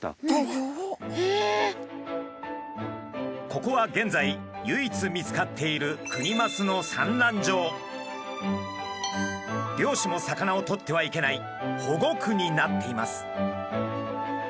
ここは現在唯一見つかっている漁師も魚を取ってはいけない保護区になっています。